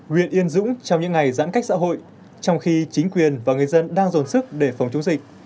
huyện yên dũng trong những ngày giãn cách xã hội trong khi chính quyền và người dân đang dồn sức để phòng chống dịch